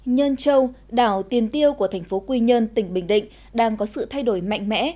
nhân châu đảo tiền tiêu của thành phố quy nhơn tỉnh bình định đang có sự thay đổi mạnh mẽ